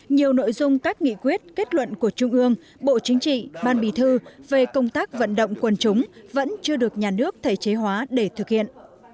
nhiều nội dung các nghị quyết kết luận của trung ương bộ chính trị ban bì thư về công tác vận động quân chúng vẫn chưa được nhà nước thể chế hóa để thực hiện